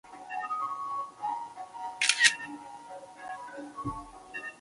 谢尔盖伊哈市镇是俄罗斯联邦弗拉基米尔州卡梅什科沃区所属的一个市镇。